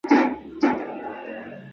موږ پېښې د تاریخ له نظره څېړو.